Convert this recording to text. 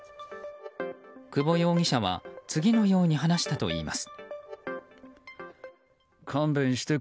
久保容疑者は次のように話したといいます。